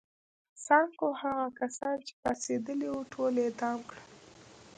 سانکو هغه کسان چې پاڅېدلي وو ټول اعدام کړل.